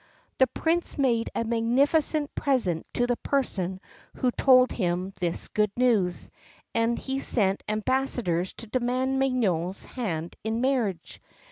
The Prince made a magnificent present to the person who told him this good news, and he sent ambassadors to demand Mignone's hand in marriage.